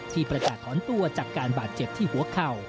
ประกาศถอนตัวจากการบาดเจ็บที่หัวเข่า